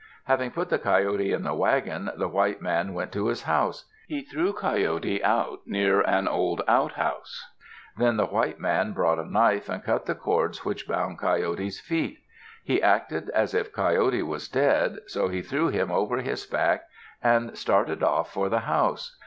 Having put the Coyote in the wagon, the white man went to his house. He threw Coyote out near an old outhouse. Then the white man brought a knife, and cut the cords which bound Coyote's feet. He acted as if Coyote was dead, so he threw him over his back and started off for the house.